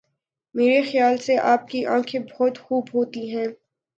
میری خیال سے آپ کی آنکھیں بہت خوب ہوتی ہیں.